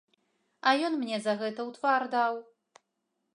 А ён мне за гэта ў твар даў.